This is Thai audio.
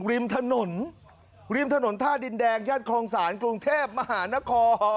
ริมถนนริมถนนท่าดินแดงย่านคลองศาลกรุงเทพมหานคร